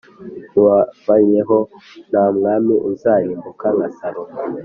mubabayeho ntamwami uzarimba nka salomo